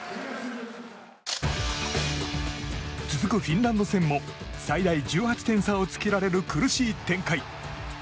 続くフィンランド戦も最大１８点差をつけられる苦しい展開。